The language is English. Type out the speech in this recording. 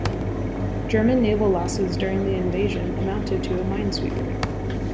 German naval losses during the invasion amounted to a minesweeper.